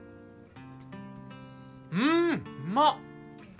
うんうまっ！